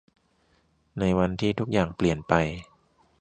ในวันที่ทุกอย่างเปลี่ยนไป